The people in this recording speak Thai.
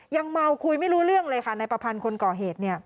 ยังเมาคุยไม่รู้เรื่องเลยค่ะนายประพันธ์คนก่อเหตุเนี่ย